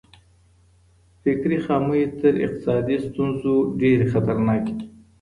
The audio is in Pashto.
فکري خامۍ تر اقتصادي ستونزو ډېرې خطرناکې دي.